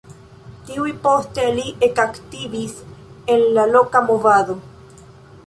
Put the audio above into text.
Tuj poste li ekaktivis en la loka movado.